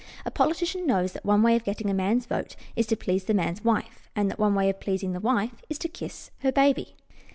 A politician knows that one way of getting a man's vote is to please the man's wife, and that one way of pleasing the wife is to kiss her baby.